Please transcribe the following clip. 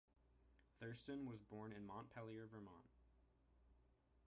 Thurston was born in Montpelier, Vermont.